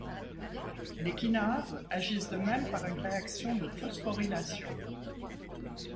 Les kinases agissent de même par une réaction de phosphorylation.